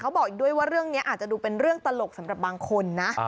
บอกอีกด้วยว่าเรื่องนี้อาจจะดูเป็นเรื่องตลกสำหรับบางคนนะ